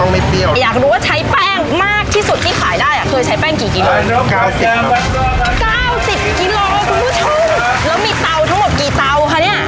ก้าวสิบกิโลกรัมครับคุณผู้ชมอ่าแล้วมีเตาทั้งหมดกี่เตาคะเนี่ย